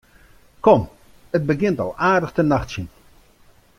Kom, it begjint al aardich te nachtsjen.